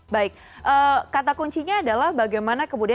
baik kata kuncinya adalah bagaimana kemudian